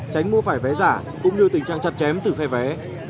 tránh mua phải vé giả cũng như tình trạng chặt chém từ phe vé